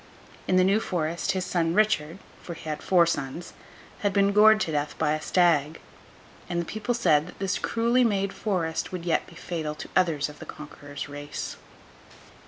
In the New Forest, his son Richard (for he had four sons) had been gored to death by a Stag; and the people said that this so cruelly made Forest would yet be fatal to others of the Conqueror's race.